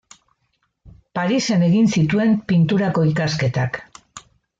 Parisen egin zituen pinturako ikasketak.